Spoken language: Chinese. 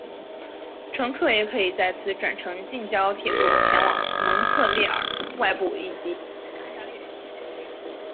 乘客也可以在此转乘近郊铁路前往蒙特利尔外部及安大略省等地区。